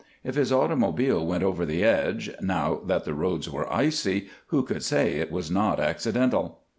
If his automobile went over the edge, now that the roads were icy, who could say it was not accidental?